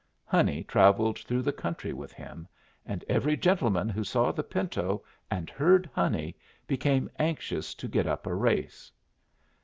Honey travelled through the country with him, and every gentleman who saw the pinto and heard Honey became anxious to get up a race.